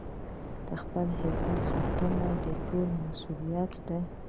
د خپل وطن ساتنه د ټولو مسوولیت دی.